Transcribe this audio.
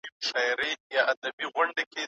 مالی مرسته کول د ماشومانو دنده ده.